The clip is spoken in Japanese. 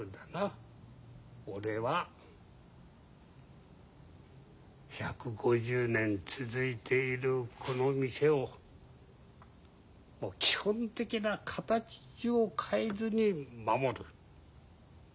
俺は１５０年続いているこの店を基本的な形を変えずに守る。